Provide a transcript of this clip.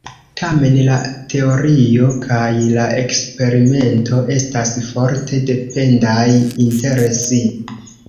Tamen, la teorio kaj la eksperimento estas forte dependaj inter si.